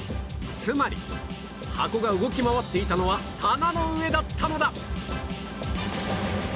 つまり箱が動き回っていたのは棚の上だったのだ！